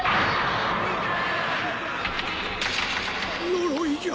呪いじゃ！